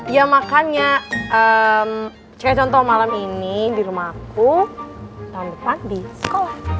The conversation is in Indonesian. ya makanya cek contoh malam ini di rumah aku tahun depan di sekolah